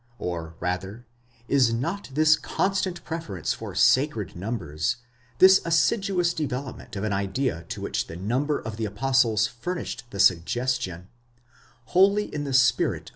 or rather, is not this constant preference for sacred numbers, this assiduous development of an idea to which the number of the apostles furnished the suggestion, wholly in the spirit of the primitive * De Wette, ut sup.